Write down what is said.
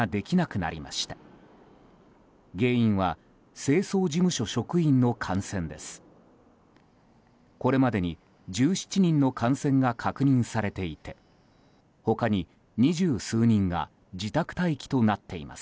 これまでに１７人の感染が確認されていて他に二十数人が自宅待機となっています。